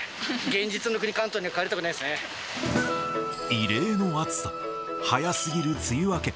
現実の国、関東には帰りたくない異例の暑さ、早すぎる梅雨明け。